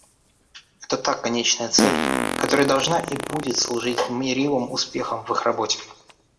Это та конечная цель, которая должна и будет служить мерилом успеха в их работе.